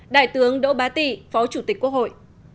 đại tướng đỗ bá tị phó chủ tịch quốc hội